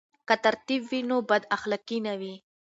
که تربیت وي نو بداخلاقي نه وي.